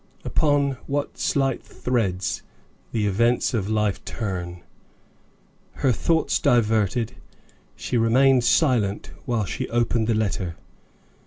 Upon what slight threads the events of life turn! Her thoughts diverted, she remained silent while she opened the letter.